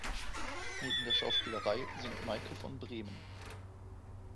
Neben der Schauspielerei singt Maike von Bremen.